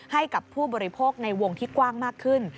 ให้กับผู้บริโภคในวงที่กว้างมากขึ้น